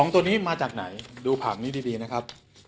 ตัวนี้มาจากไหนดูผักนี้ดีนะครับ